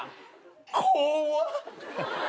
怖っ！